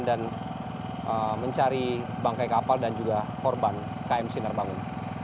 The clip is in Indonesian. dan mencari bangkai kapal dan juga korban km sinar bangun